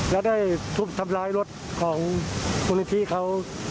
แล้วได้ทุบทำร้ายรถของมูลนิธิเขา